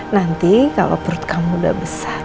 nanti kalau perut kamu udah besar